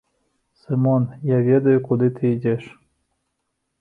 Сымон, я ведаю, куды ты ідзеш.